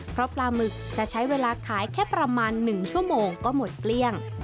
เพราะปลาหมึกจะใช้เวลาขายแค่ประมาณ๑ชั่วโมงก็หมดเกลี้ยง